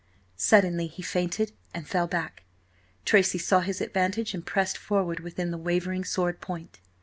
Suddenly he feinted, and fell back. Tracy saw his advantage and pressed forward within the wavering sword point.